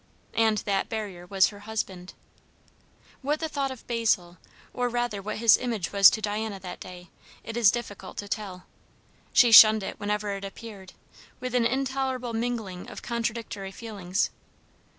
And that barrier was her husband. What the thought of Basil, or rather what his image was to Diana that day, it is difficult to tell; she shunned it whenever it appeared, with an intolerable mingling of contradictory feelings.